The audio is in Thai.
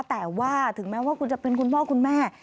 แต่ว่าถึงแม้ว่าคุณจะเป็นคุณพ่อคุณแม่